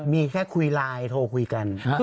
มีแค่คุยไลน์โทรคุยกัน